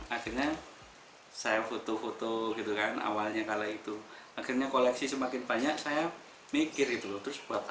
akhirnya saya foto foto gitu kan awalnya kala itu akhirnya koleksi semakin banyak saya mikir gitu loh terus buat